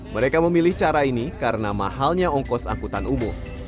mereka memilih cara ini karena mahalnya ongkos angkutan umum